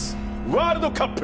ワールドカップ。